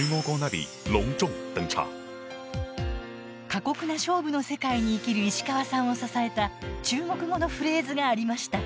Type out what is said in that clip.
過酷な勝負の世界に生きる石川さんを支えた中国語のフレーズがありました。